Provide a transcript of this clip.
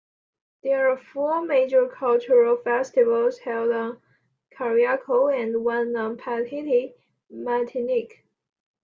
There are four major cultural festivals held on Carriacou and one on Petite Martinique.